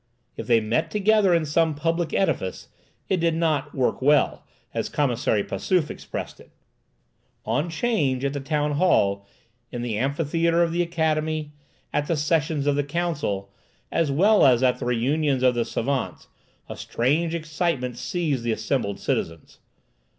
If they met together in some public edifice, it did not "work well," as Commissary Passauf expressed it. On 'change, at the town hall, in the amphitheatre of the academy, at the sessions of the council, as well as at the reunions of the savants, a strange excitement seized the assembled citizens.